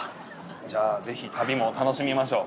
じゃあ、ぜひ旅も楽しみましょう。